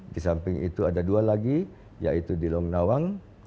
di samping itu ada dua lagi yaitu di long nawang